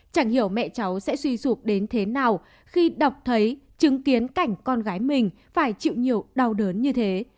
chẳng hiểu mẹ cháu sẽ suy sụp đến thế nào khi đọc thấy chứng kiến cảnh con gái mình phải chịu nhiều đau đớn như thế